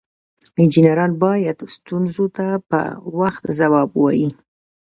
انجینران باید ستونزو ته په وخت ځواب ووایي.